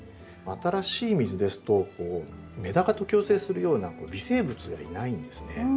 新しい水ですとメダカと共生するような微生物がいないんですね。